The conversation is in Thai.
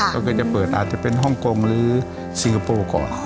ก็คือจะเปิดอาจจะเป็นฮ่องกงหรือสิงคโปร์ก่อน